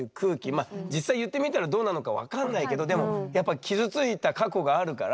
まあ実際言ってみたらどうなのか分かんないけどでもやっぱ傷ついた過去があるから。